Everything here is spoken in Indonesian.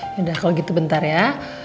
sudah kalau gitu bentar ya